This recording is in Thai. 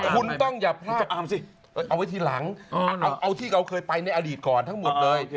คุณต้องอย่าพลาดอำสิเอาไว้ทีหลังเอาที่เราเคยไปในอดีตก่อนทั้งหมดเลย